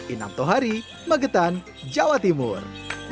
inamto hari magetan jawa timur